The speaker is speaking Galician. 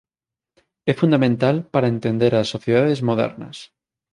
É fundamental para entender as sociedades modernas.